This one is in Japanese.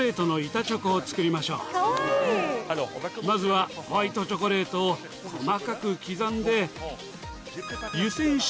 ・まずはホワイトチョコレートを細かく刻んで。